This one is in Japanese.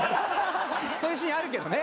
そういうシーンあるけどね。